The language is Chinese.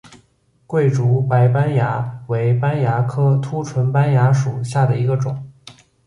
桂竹白斑蚜为斑蚜科凸唇斑蚜属下的一个种。